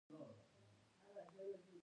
د پښتنو په کلتور کې د سترګو تورول سنت دي.